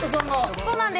そうなんです。